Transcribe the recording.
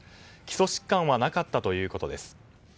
基礎疾患はなかったということです。